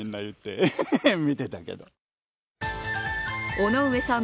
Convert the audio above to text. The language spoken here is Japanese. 尾ノ上さん